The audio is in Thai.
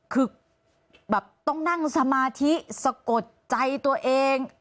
คือแบบต้องนั่งสมาธิสะกดใจตัวเอง